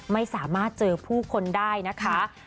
ไม่สามารถเจอผู้คนได้นะคะ